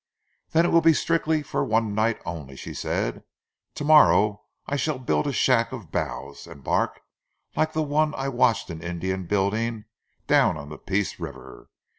"Then it will be strictly for one night only," she said. "Tomorrow I shall build a shack of boughs and bark like one I watched an Indian building, down on the Peace river.